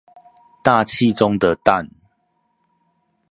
大氣中的氮